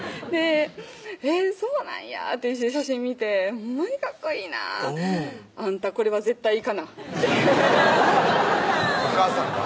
「そうなんや」って一緒に写真見て「ほんまにかっこいいなぁ」「あんたこれは絶対いかな」ってお母さんが？